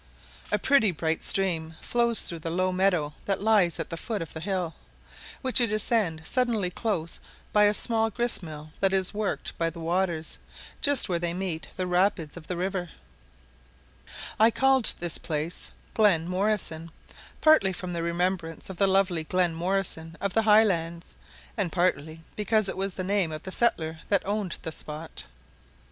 A pretty bright stream flows through the low meadow that lies at the foot of the hill, which you descend suddenly close by a small grist mill that is worked by the waters, just where they meet the rapids of the river. [Illustration: Road through a Pine Forest] I called this place "Glen Morrison," partly from the remembrance of the lovely Glen Morrison of the Highlands, and partly because it was the name of the settler that owned the spot.